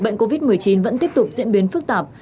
bệnh covid một mươi chín vẫn tiếp tục diễn biến phức tạp